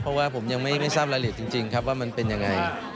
เพราะว่าผมยังไม่ทราบรายละเอียดจริงครับว่ามันเป็นยังไง